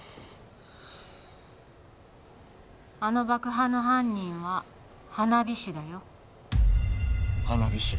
あの爆破の犯人は花火師だよ花火師？